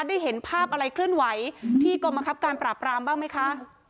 ได้เห็นภาพอะไรเคลื่อนไหวที่กรมคับการปราบรามบ้างไหมคะ